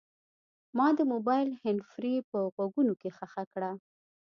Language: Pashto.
ما د موبایل هینډفري په غوږونو کې ښخه کړه.